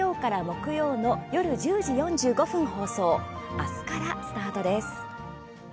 明日からスタートです。